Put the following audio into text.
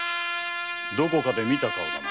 どこかで見た顔だな。